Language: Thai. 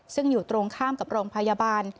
ซึ่งอยู่ตรงข้ามกับโรงพยาบาล